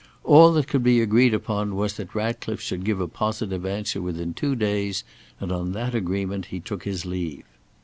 All that could be agreed upon was that Ratcliffe should give a positive answer within two days, and on that agreement he took his leave.